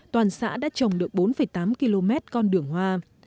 toàn xã đã trồng được bốn tám km con đường hoa